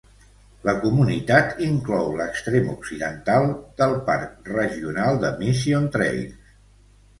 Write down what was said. La comunitat inclou l'extrem occidental del Parc Regional de Mission Trails.